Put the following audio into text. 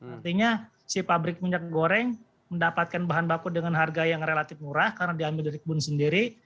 artinya si pabrik minyak goreng mendapatkan bahan baku dengan harga yang relatif murah karena diambil dari kebun sendiri